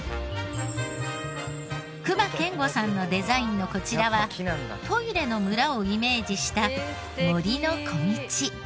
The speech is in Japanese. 隈研吾さんのデザインのこちらはトイレの村をイメージした森のコミチ。